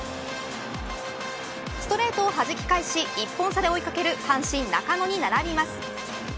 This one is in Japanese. ストレートをはじき返し１本差で追いかける阪神、中野に並びます。